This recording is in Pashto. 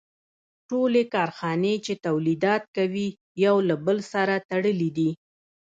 ټولې کارخانې چې تولیدات کوي یو له بل سره تړلي دي